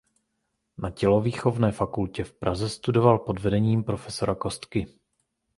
Na tělovýchovné fakultě v Praze studoval pod vedením prof. Kostky.